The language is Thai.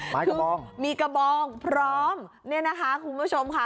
กระบองมีกระบองพร้อมเนี่ยนะคะคุณผู้ชมค่ะ